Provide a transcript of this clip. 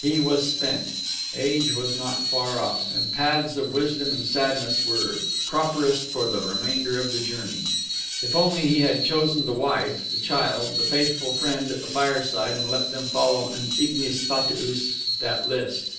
He was spent; age was not far off; and paths of wisdom and sadness were the properest for the remainder of the journey.... If only he had chosen the wife, the child the faithful friend at the fireside, and let them follow an ignis fatuus that list!...